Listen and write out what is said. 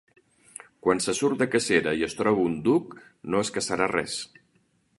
Quan se surt de cacera i es troba un duc no es caçarà res.